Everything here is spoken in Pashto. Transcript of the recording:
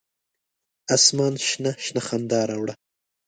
اسمان شنه، شنه خندا راوړه